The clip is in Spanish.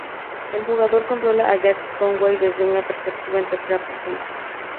El jugador controla a Jake Conway desde una perspectiva en tercera persona.